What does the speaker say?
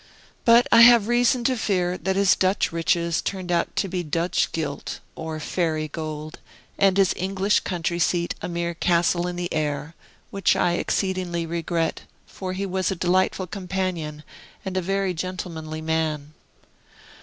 But I have reason to fear that his Dutch riches turned out to be Dutch gilt, or fairy gold, and his English country seat a mere castle in the air, which I exceedingly regret, for he was a delightful companion and a very gentlemanly man.